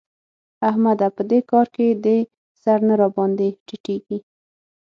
احمده! په دې کار کې دي سر نه راباندې ټيټېږي.